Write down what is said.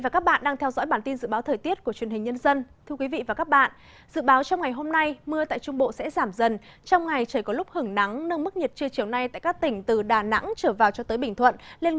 các bạn hãy đăng ký kênh để ủng hộ kênh của chúng mình nhé